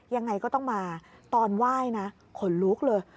ยังไงก็ต้องมาตอนไหว้นะขนลุกเลย